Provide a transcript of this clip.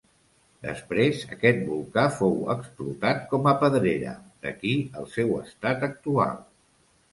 Després aquest volcà fou explotat com a pedrera, d'aquí el seu estat actual.